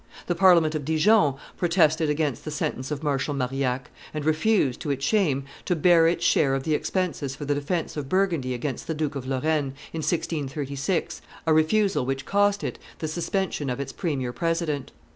The Parliament of Dijon protested against the sentence of Marshal Marillac, and refused, to its shame, to bear its share of the expenses for the defence of Burgundy against the Duke of Lorraine, in 1636, a refusal which cost it the suspension of its premier president.